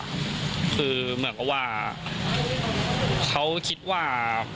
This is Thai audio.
ผมมีโพสต์นึงครับว่า